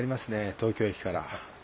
東京駅から。